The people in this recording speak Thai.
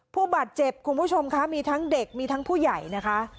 ผู้บาดเจ็บคุณผู้ชมคะมีทั้งเด็กมีทั้งผู้ใหญ่นะคะ